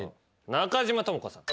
中島知子さん。